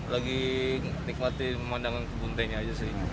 lagi nikmati pemandangan kebun tehnya aja sih